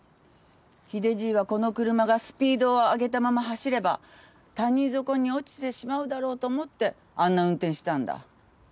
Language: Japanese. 秀じいはこの車がスピードを上げたまま走れば谷底に落ちてしまうだろうと思ってあんな運転したんだ。